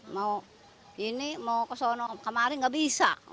mau ini mau kesana kemari gak bisa